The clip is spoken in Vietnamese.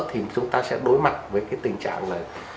thì chúng ta sẽ đối mặt với cái tình trạng là